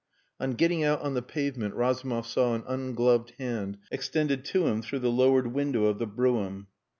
On getting out on the pavement Razumov saw an ungloved hand extended to him through the lowered window of the brougham.